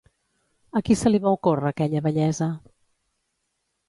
A qui se li va ocórrer aquella bellesa?